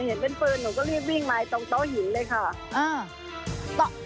เห็นเป็นปืนหนูก็รีบวิ่งมาตรงโต๊ะหินเลยค่ะ